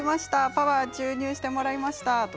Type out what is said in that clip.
パワー注入してもらいました。